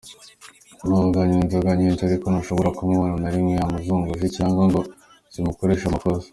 Nubwo anywa inzoga nyinshi ariko, ntushobora kumubona na rimwe zamusuzuguje cyangwa ngo zimukoreshe amakosa .